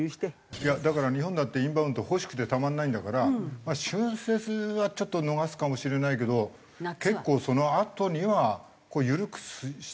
いやだから日本だってインバウンド欲しくてたまらないんだから春節はちょっと逃すかもしれないけど結構そのあとには緩くしていくんじゃないの？